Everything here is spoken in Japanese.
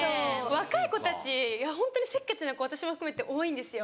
若い子たちがホントにせっかちな子私も含めて多いんですよ